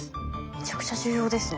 めちゃくちゃ重要ですね